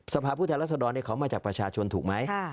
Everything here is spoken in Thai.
ผู้แทนรัศดรเขามาจากประชาชนถูกไหม